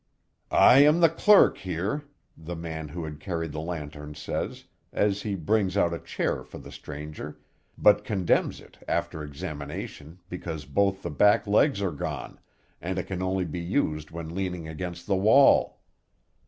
"I am the clerk here," the man who had carried the lantern says, as he brings out a chair for the stranger, but condemns it after examination because both the back legs are gone, and it can only be used when leaning against the wall.